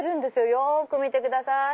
よく見てください。